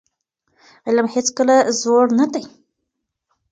علم هيڅکله زوړ نه دی.